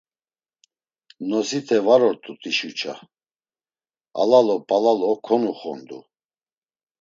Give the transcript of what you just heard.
Nosite var ort̆u t̆işuça, alalo p̌alalo konuxondu.